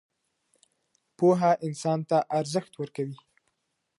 پوهه انسان ته ارزښت ورکوي.